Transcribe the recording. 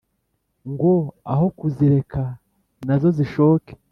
ngo aho kuzireka nazo zishoke